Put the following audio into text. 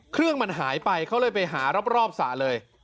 เครื่องมันหายไปเขาเลยไปหารอบสระเลย